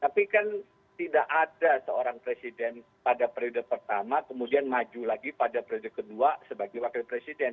tapi kan tidak ada seorang presiden pada periode pertama kemudian maju lagi pada periode kedua sebagai wakil presiden